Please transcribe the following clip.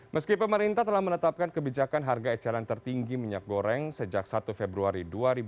meski pemerintah telah menetapkan kebijakan harga eceran tertinggi minyak goreng sejak satu februari dua ribu dua puluh